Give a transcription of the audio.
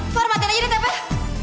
far matiin aja deh capek